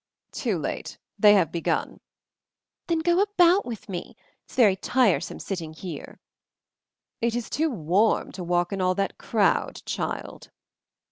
"Too late; they have begun." "Then go about with me. It's very tiresome sitting here." "It is too warm to walk in all that crowd, child."